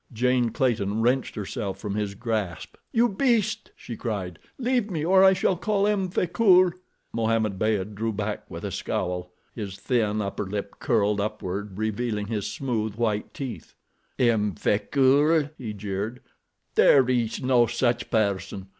Jane Clayton wrenched herself from his grasp. "You beast!" she cried. "Leave me or I shall call M. Frecoult." Mohammed Beyd drew back with a scowl. His thin, upper lip curled upward, revealing his smooth, white teeth. "M. Frecoult?" he jeered. "There is no such person.